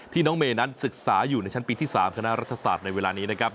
น้องเมย์นั้นศึกษาอยู่ในชั้นปีที่๓คณะรัฐศาสตร์ในเวลานี้นะครับ